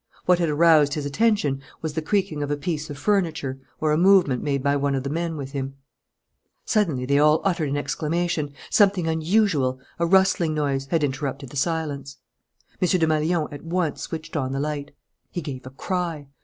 What had aroused his attention was the creaking of a piece of furniture or a movement made by one of the men with him. Suddenly they all uttered an exclamation. Something unusual, a rustling noise, had interrupted the silence. M. Desmalions at once switched on the light. He gave a cry.